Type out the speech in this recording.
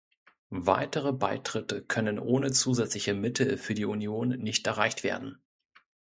Weitere Beitritte können ohne zusätzliche Mittel für die Union nicht erreicht werden.